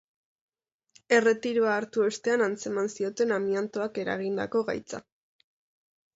Erretiroa hartu ostean antzeman zioten amiantoak eragindako gaitza.